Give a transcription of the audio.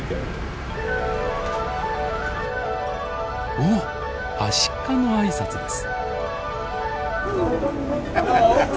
おおアシカの挨拶です。